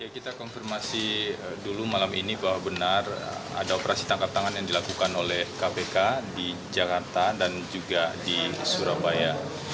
kita konfirmasi dulu malam ini bahwa benar ada operasi tangkap tangan yang dilakukan oleh kpk di jakarta dan juga di surabaya